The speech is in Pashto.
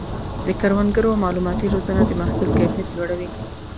د کروندګرو مالوماتي روزنه د محصول کیفیت لوړوي.